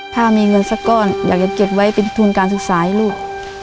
ถ้ามีเงินสักก้อนอยากจะเก็บไว้เป็นทุนการศึกษาให้ลูก